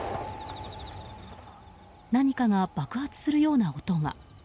何かが爆発するような音が。